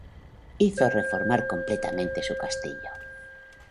Hizo reformar completamente su castillo.